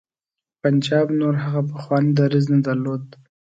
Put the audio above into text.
پنجاب نور هغه پخوانی دریځ نه درلود.